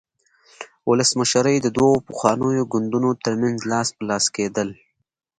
ولسمشري د دوو پخوانیو ګوندونو ترمنځ لاس په لاس کېدل.